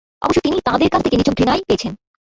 অবশ্য তিনি তাঁদের কাছ থেকে নিছক ঘৃণাই পেয়েছেন।